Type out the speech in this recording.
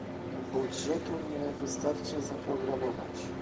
Budżetu nie wystarczy zaprogramować